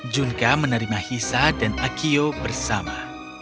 junka menerima hisa dan akio bersama